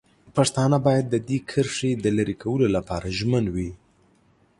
پښتانه باید د دې کرښې د لرې کولو لپاره ژمن وي.